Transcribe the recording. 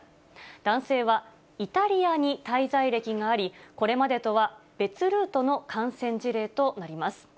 男性はイタリアに滞在歴があり、これまでとは別ルートの感染事例となります。